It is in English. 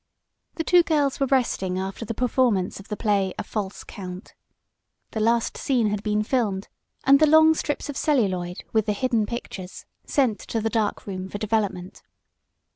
The two girls were resting after the performance of the play "A False Count." The last scene had been filmed, and the long strips of celluloid, with the hidden pictures, sent to the dark room for development.